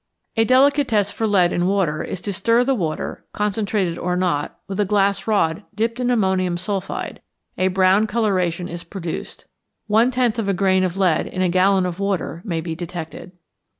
A delicate test for lead in water is to stir the water, concentrated or not, with a glass rod dipped in ammonium sulphide: a brown coloration is produced. One tenth of a grain of lead in a gallon of water may be detected.